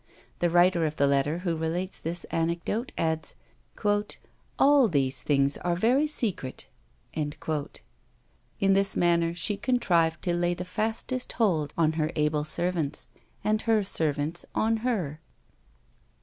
The writer of the letter who relates this anecdote, adds, "All these things are very secret." In this manner she contrived to lay the fastest hold on her able servants, and her servants on her.